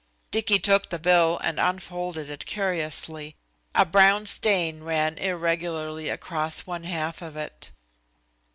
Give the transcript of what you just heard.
Dicky took the bill and unfolded it curiously. A brown stain ran irregularly across one half of it.